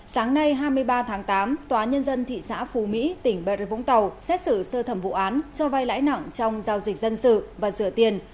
sáng nay hai mươi ba tháng tám tòa nhân dân thị xã phú mỹ tỉnh bà rập vũng tàu xét xử sơ thẩm vụ án cho vai lãi nặng trong giao dịch dân sự và rửa tiền